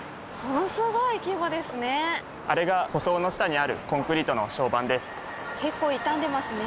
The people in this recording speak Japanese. あれが舗装の下にあるコンクリートの床版です。